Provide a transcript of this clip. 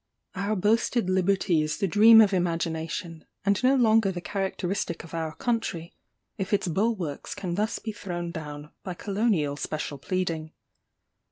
Our boasted liberty is the dream of imagination, and no longer the characteristic of our country, if its bulwarks can thus be thrown down by colonial special pleading.